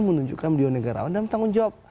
menunjukkan beliau negaraan dalam tanggung jawab